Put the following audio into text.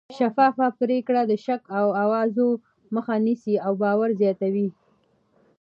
شفافه پرېکړې د شک او اوازو مخه نیسي او باور زیاتوي